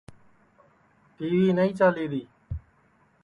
ٹی وی نائی چالیری